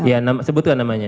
iya sebutkan namanya